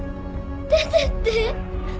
出てって